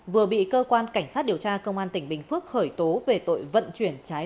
vừa bị cơ quan cảnh sát điều tra công an tỉnh bình phước khởi tố về tội vận chuyển trái phép